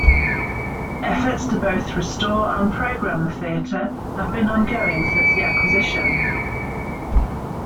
Efforts to both restore and program the theater have been ongoing since the acquisition.